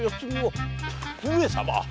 上様。